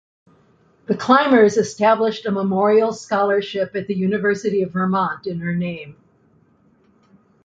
The Clymers established a memorial scholarship at the University of Vermont in her name.